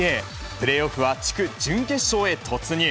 プレーオフは地区準決勝へ突入。